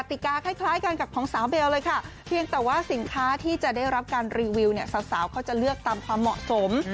ติกาคล้ายกันกับของสาวเบลเลยค่ะเพียงแต่ว่าสินค้าที่จะได้รับการรีวิวเนี่ยสาวเขาจะเลือกตามความเหมาะสม